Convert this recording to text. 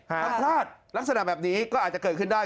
ถ้าพลาดลักษณะแบบนี้ก็อาจจะเกิดขึ้นได้